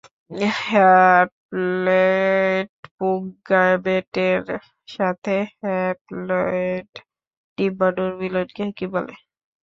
Haploid পুং গ্যামেটের সাথে হ্যাপ্লয়েড ডিম্বাণুর মিলনকে কী বলে?